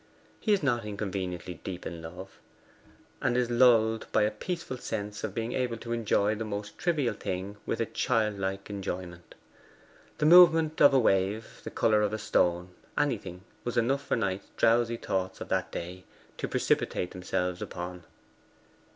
He is not inconveniently deep in love, and is lulled by a peaceful sense of being able to enjoy the most trivial thing with a childlike enjoyment. The movement of a wave, the colour of a stone, anything, was enough for Knight's drowsy thoughts of that day to precipitate themselves upon.